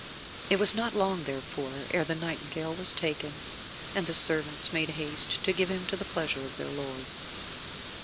It was not long therefore ere the nightingale was taken, and the servants made haste to give him to the pleasure of their lord.